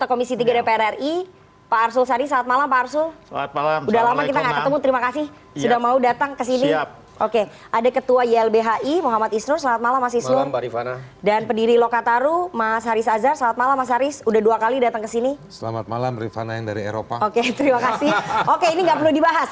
oke ini tidak perlu dibahas